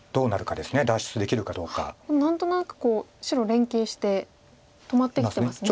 でも何となくこう白連係して止まってきてますね。